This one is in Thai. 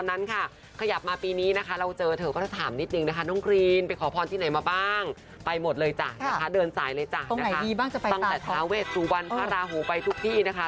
เลยจ้ะเดินสายเลยจ้ะตรงไหนดีบ้างตั้งแต่ท้าเวศสุวรรณพระราโหไปทุกที่นะคะ